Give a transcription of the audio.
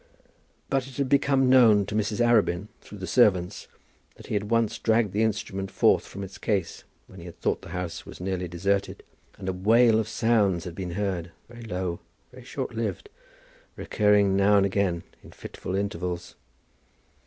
But it had become known to Mrs. Arabin, through the servants, that he had once dragged the instrument forth from its case when he had thought the house to be nearly deserted; and a wail of sounds had been heard, very low, very short lived, recurring now and again at fitful intervals.